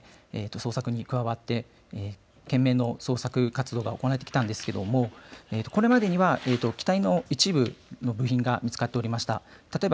捜索に加わって懸命の捜索活動が行われてきたんですけれどもこれまでには機体の一部の部品が見つかっておりました。